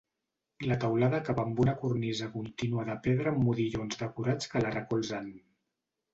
La teulada acaba amb una cornisa contínua de pedra amb modillons decorats que la recolzen.